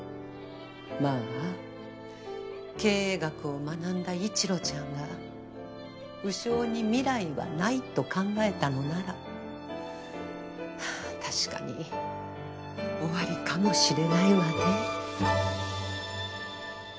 まあ経営学を学んだ一路ちゃんが鵜匠に未来はないと考えたのなら確かに終わりかもしれないわね。